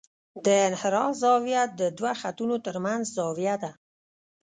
د انحراف زاویه د دوه خطونو ترمنځ زاویه ده